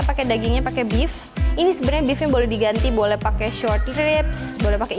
pakai dagingnya pakai beef ini sebenarnya beefnya boleh diganti boleh pakai short rips boleh pakai